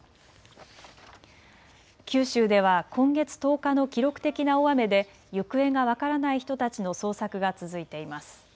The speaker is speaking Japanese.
九州では今月１０日の記録的な大雨で行方が分からない人たちの捜索が続いています。